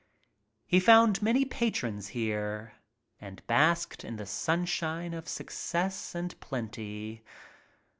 He found many patrons here and basked in the sunshine of success and plenty.